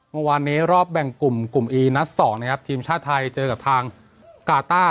เมื่อวานนี้รอบแบ่งกลุ่มกลุ่มอีนัดสองนะครับทีมชาติไทยเจอกับทางกาต้า